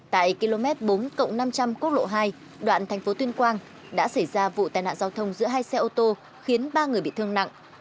tại km bốn năm trăm linh quốc lộ hai đoạn thành phố tuyên quang đã xảy ra vụ tai nạn giao thông giữa hai xe ô tô khiến ba người bị thương nặng